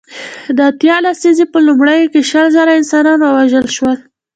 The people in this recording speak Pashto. د اتیا لسیزې په لومړیو کې شل زره انسانان ووژل شول.